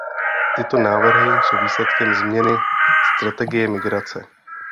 Tyto návrhy jsou výsledkem změny strategie migrace.